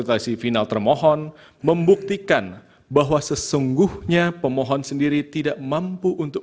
terima kasih final termohon membuktikan bahwa sesungguhnya pemohon sendiri tidak mampu untuk